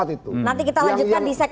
nanti kita lanjutkan di segmen